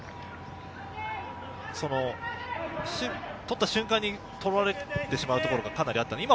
取った瞬間に取られてしまうところがかなりあった。